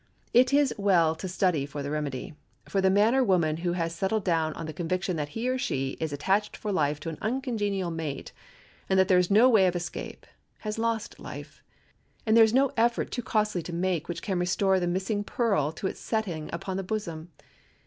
It is well to study for the remedy, for the man or woman who has settled down on the conviction that he or she is attached for life to an uncongenial mate, and that there is no way of escape, has lost life; there is no effort too costly to make which can restore the missing pearl to its setting upon the bosom.